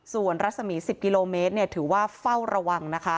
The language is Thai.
ส่วนรัศมี๑๐กิโลเมตรถือว่าเฝ้าระวังนะคะ